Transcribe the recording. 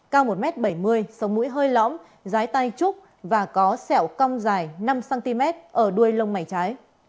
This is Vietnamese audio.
cao một m bảy mươi sông mũi hơi lõm dái tay trúc và có sẹo cong dài năm cm ở đuôi lông mảy trái